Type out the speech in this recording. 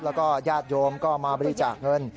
แล้วก็ญาติโยมก็มาบริจาคเงิน